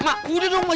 mak mak udah dong mak